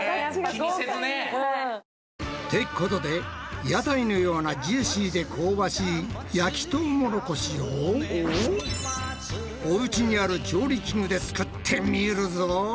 気にせずね！ってことで屋台のようなジューシーで香ばしい焼きトウモロコシをおうちにある調理器具でつくってみるぞ！